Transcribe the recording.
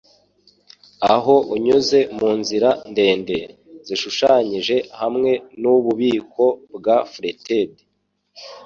Aho unyuze munzira ndende zishushanyije hamwe nububiko bwa fretted